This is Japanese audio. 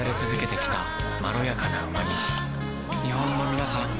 日本のみなさん